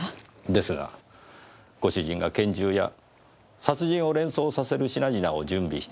ですがご主人が拳銃や殺人を連想させる品々を準備していた事は事実です。